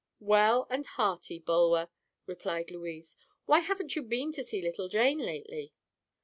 "Well and hearty, Bulwer," replied Louise. "Why haven't you been to see little Jane lately?"